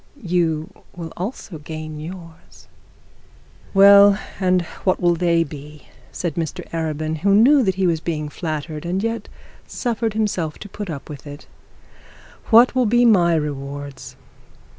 You will also gain yours.' 'Well, and what will they be?' said Mr Arabin, who knew that he was being flattered, and yet suffered himself to put up with it. 'What will be my rewards?'